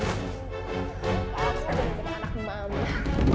aku cintakan anak mama